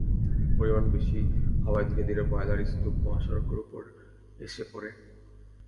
পরিমাণ বেশি হওয়ায় ধীরে ধীরে ময়লার স্তূপ মহাসড়কের ওপর এসে পড়ে।